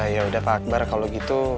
yaudah pak akbar kalau gitu